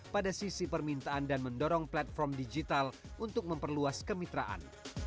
pada sisi permintaan dan mendorong platform digital untuk memperluas kemitraan